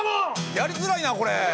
やりづらいなこれ。